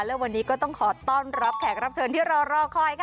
และวันนี้ก็ต้องขอต้อนรับแขกรับเชิญที่เรารอคอยค่ะ